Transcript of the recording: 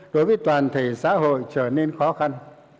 đối với toàn thể xã hội trở nên khó khăn